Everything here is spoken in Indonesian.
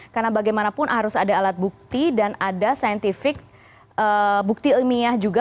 karena bagaimanapun harus ada alat bukti dan ada scientific bukti ilmiah juga